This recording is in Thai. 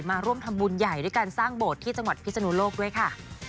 มาร่วมทำบุญใหญ่ด้วยการสร้างโบสถ์ที่จังหวัดพิศนุโลกด้วยค่ะ